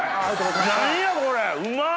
何やこれうまっ！